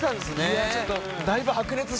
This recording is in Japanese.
いやあちょっと。